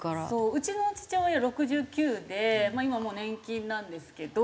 うちの父親６９で今もう年金なんですけど。